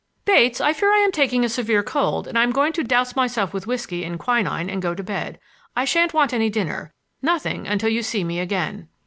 "Bates, I fear that I'm taking a severe cold and I'm going to dose myself with whisky and quinine and go to bed. I shan't want any dinner,—nothing until you see me again."